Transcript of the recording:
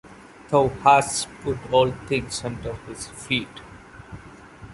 Thou hast put all things under his feet.